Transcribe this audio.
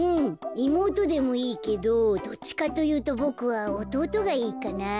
いもうとでもいいけどどっちかというとボクはおとうとがいいかなあ。